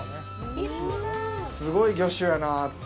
すごい魚種やな。